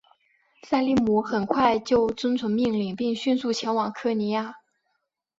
塞利姆很快就遵从命令并迅速前往科尼亚。